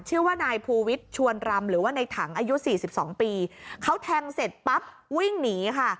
ชื่อว่านายภูวิทย์ชวนรำหรือว่าในถังอายุสี่สิบสองปีเขาแทงเสร็จปั๊บวิ่งหนีค่ะ